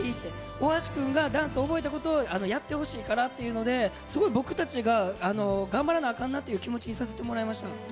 大橋君がダンス覚えたことをやってほしいからっていうので、すごい僕たちが頑張らなあかんなという気持ちにさせてもらいました。